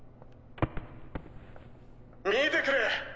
見てくれ！